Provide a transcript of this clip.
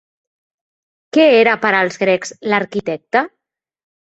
Què era per als grecs l'arquitecte?